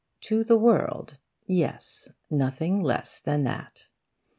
To the world, yes; nothing less than that.